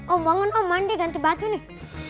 om bangun om mandi ganti baju nih